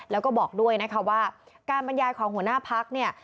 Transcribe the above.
แล้วก็บอกด้วยนะคะว่าการบรรยายของหัวหน้าพักเนี่ย